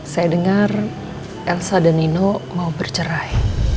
saya dengar elsa dan nino mau bercerai